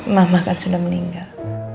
mama kan sudah meninggal